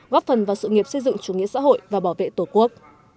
góp phần vào sự nghiệp xây dựng chủ nghĩa xã hội và bảo vệ tổ quốc